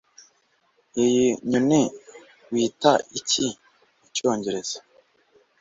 iyi nyoni wita iki mucyongereza